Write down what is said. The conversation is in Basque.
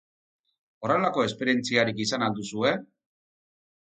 Horrelako esperientziarik izan al duzue?